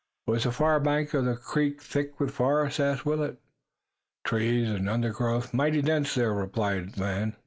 "Was the far bank of the creek thick with forest?" asked Willet. "Trees and undergrowth are mighty dense there," replied Oldham.